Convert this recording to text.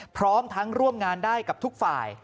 พร้อมทั้งร่วมงานได้กับทุกฝ่าย